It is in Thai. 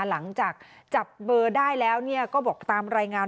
หลังจากจับเบอร์ได้แล้วก็บอกตามรายงาน